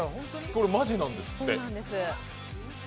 これマジなんですって。